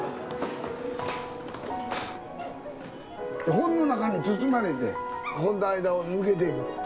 本の中に包まれて本の間を抜けていくと。